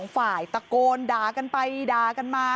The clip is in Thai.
ฝ่ายตะโกนด่ากันไปด่ากันมา